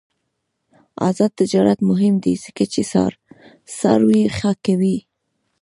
آزاد تجارت مهم دی ځکه چې څاروي ښه کوي.